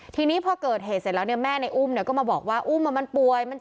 ทีนี้พอเกิดเหตุเสร็จแล้วเนี่ยแม่ในอุ้มก็มาบอกว่าอุ้มมันป่วย